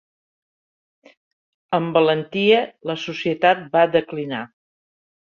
Amb valentia, la societat va declinar.